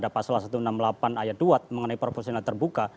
pasal satu ratus enam puluh delapan ayat dua mengenai proporsional terbuka